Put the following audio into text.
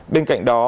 bên cạnh đó